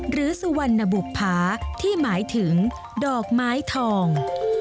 หรือสุวรรณบุภาที่หมายถึงดอกไม้ทอง